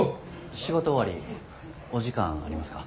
仕事終わりお時間ありますか？